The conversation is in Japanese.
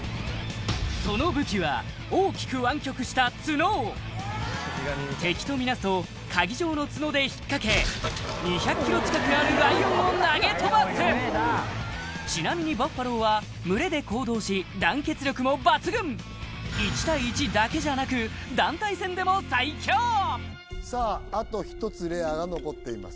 その武器は大きく湾曲したツノ敵と見なすとかぎ状のツノで引っかけ２００キロ近くあるライオンを投げ飛ばすちなみにバッファローは群れで行動し団結力も抜群１対１だけじゃなくさああと１つレアが残っています